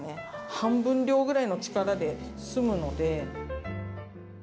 半分量ぐらいの力ですむので。